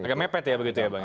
agak mepet ya begitu ya pak jk